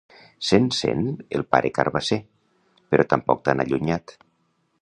Se'n sent el pare carbasser, però tampoc tan allunyat.